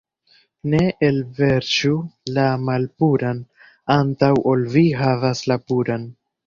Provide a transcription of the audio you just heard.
Ne elverŝu la malpuran, antaŭ ol vi havas la puran.